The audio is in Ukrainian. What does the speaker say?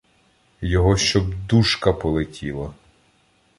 Його щоб душка полетіла